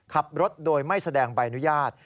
ขับรถโดยไม่แสดงใบอนุญาต